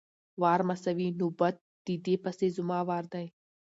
وار= نوبت، د دې پسې زما وار دی!